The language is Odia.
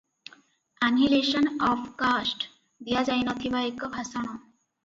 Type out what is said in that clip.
ଆନିହିଲେସନ ଅଫ କାଷ୍ଟ ଦିଆଯାଇନଥିବା ଏକ ଭାଷଣ ।